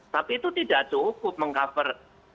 tapi itu tidak cukup meng cover